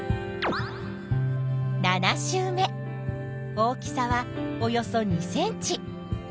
大きさはおよそ２ｃｍ。